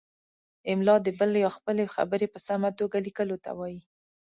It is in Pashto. املاء د بل یا خپلې خبرې په سمه توګه لیکلو ته وايي.